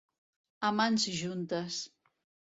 A mans juntes.